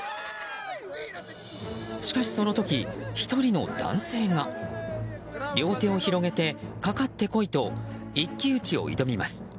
しかし、その時１人の男性が両手を広げてかかってこいと一騎打ちを挑みます。